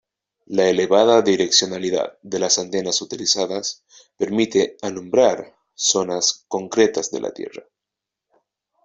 La elevada direccionalidad de las antenas utilizadas permite "alumbrar" zonas concretas de la Tierra.